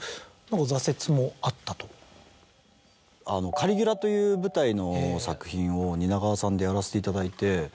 『カリギュラ』という舞台の作品を蜷川さんでやらせていただいて。